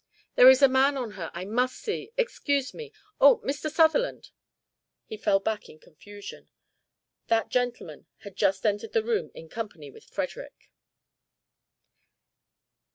"There is a man on her I must see. Excuse me Oh, Mr. Sutherland!" He fell back in confusion. That gentleman had just entered the room in company with Frederick.